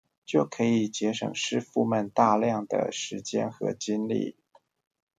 就可以節省師傅們大量的時間和精力